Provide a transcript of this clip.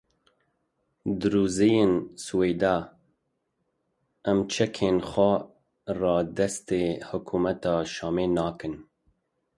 Durziyên Siweyda: Em çekên xwe radestî hikûmeta Şamê nakin.